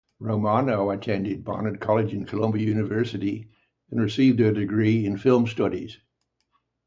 Romano attended Barnard College at Columbia University and received her degree in Film Studies.